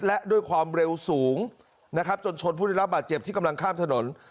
และด้วยความเร็วสูงนะครับจนชนผู้ได้รับบาดเจ็บที่กำลังข้ามถนน